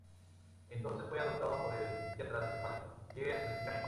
Entonces fue adoptado por el psiquiatra de su madre, quien residía en Northampton.